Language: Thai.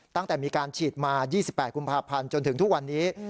ตั้งแต่มีการฉีดมา๒๘กุมภาพันธ์จนถึงทุกวันนี้